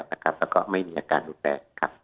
แล้วก็ไม่มีอาการดูแล